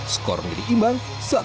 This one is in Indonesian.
skor menjadi imbang satu satu